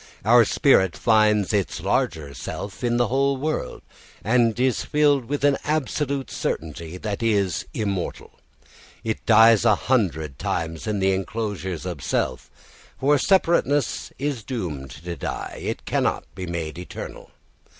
Our spirit finds its larger self in the whole world, and is filled with an absolute certainty that it is immortal. It dies a hundred times in its enclosures of self; for separateness is doomed to die, it cannot be made eternal.